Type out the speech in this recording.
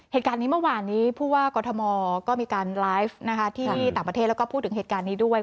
เหตุการณ์นี้เมื่อวานนี้ผู้ว่ากอทมก็มีการไลฟ์ที่ต่างประเทศแล้วก็พูดถึงเหตุการณ์นี้ด้วย